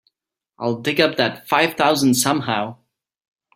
I'll dig up that five thousand somehow.